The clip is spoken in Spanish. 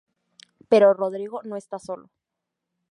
Pero Rodrigo no está solo.